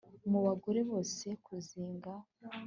Mu bagore bose kuzinga